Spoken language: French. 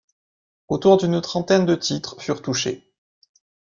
Autour d'une trentaine de titres furent touchés.